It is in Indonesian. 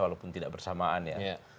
walaupun tidak bersamaan ya